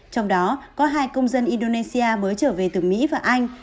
trong đó có hai công dân indonesia mới trở về từ mỹ và anh